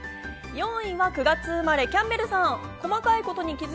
４位は９月生まれ、キャンベルさん。